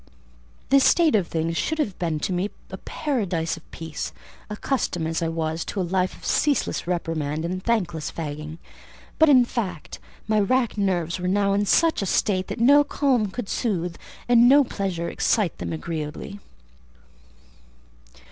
This state of things should have been to me a paradise of peace, accustomed as I was to a life of ceaseless reprimand and thankless fagging; but, in fact, my racked nerves were now in such a state that no calm could soothe, and no pleasure excite them agreeably.